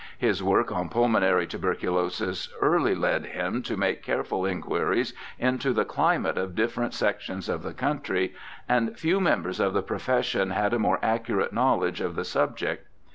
His work on pulmonary tuberculosis early led him to make careful inquiries into the climate of different sec tions of the country, and few members of the profession had a more accurate knowledge of the subject.